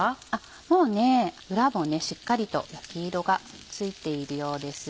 もう裏もしっかりと焼き色がついているようです。